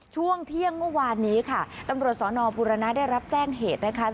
ช่วงเที่ยงเมื่อวานนี้ค่ะตำรวจสนบุรณะได้รับแจ้งเหตุนะคะ